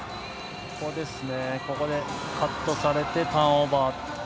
ここでカットされてターンオーバー。